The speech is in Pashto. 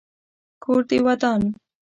کور دي ودان .